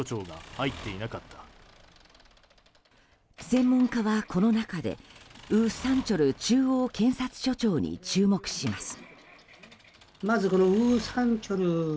専門家は、この中でウ・サンチョル中央検察所長に注目します。